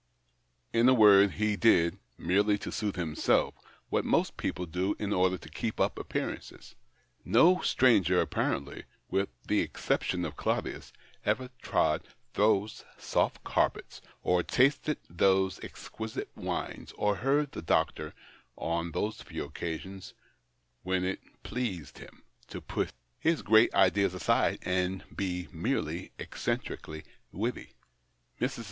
In a word, he did, merely to suit himself, what most people do in order to keep up appearances. Ko stranger apparently, with the exception of Claudius, ever trod those soft carpets, or tasted those exquisite wines, or heard the doctor on those few occasions when it pleased 64 THE OCTAA^E OF CLAUDIUS. him to put his great ideas aside and be merely eccentrically witty. Mrs.